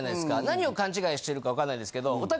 何を勘違いしてるかわかんないですけど。